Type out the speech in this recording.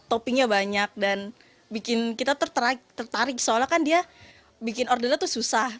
toppingnya banyak dan bikin kita tertarik soalnya kan dia bikin ordernya tuh susah